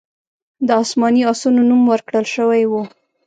د اسماني آسونو نوم ورکړل شوی و